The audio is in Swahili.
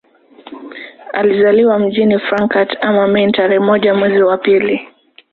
Alizaliwa mjini Frankfurt am Main tarehe moja mwezi wa pili